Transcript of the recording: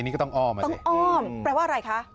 นี่ก็ต้องอ้อมต้องอ้อมแปลว่าอะไรคะ